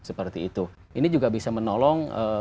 seperti itu ini juga bisa menolong